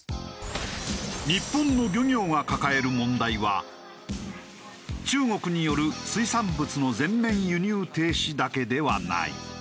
日本の漁業が抱える問題は中国による水産物の全面輸入停止だけではない。